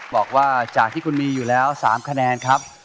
บอกว่าจากที่คุณมีอยู่แล้ว๓คะแนนครับ